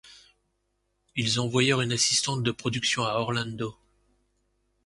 Ils envoyèrent une assistante de production à Orlando.